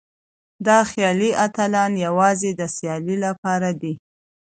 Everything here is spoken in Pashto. دا خيالي اتلان يوازې د سيالۍ لپاره دي.